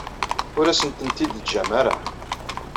Ur asen-tent-id-teǧǧam ara.